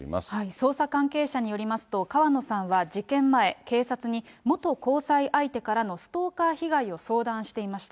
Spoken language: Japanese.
捜査関係者によりますと、川野さんは事件前、警察に元交際相手からのストーカー被害を相談していました。